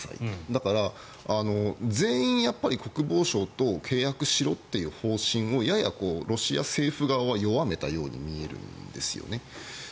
だから、全員やっぱり国防省と契約しろという方針をややロシア政府側は弱めたように見えるんですよね。